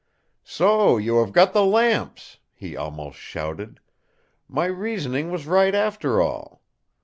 "So you have got the lamps!" he almost shouted. "My reasoning was right after all.